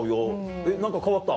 何か変わった？